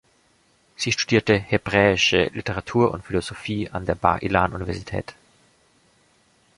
Sie studierte Hebräische Literatur und Philosophie an der Bar-Ilan-Universität.